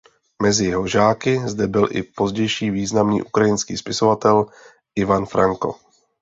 Mezi jeho žáky zde byl i pozdější významný ukrajinský spisovatel Ivan Franko.